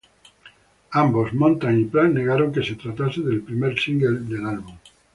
Ambos, Montag y Pratt, negaron que se tratase del primer single del álbum.